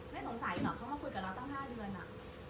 ไม่สงสัยเหรอเขามาคุยกับเราตั้ง๕เดือนอะ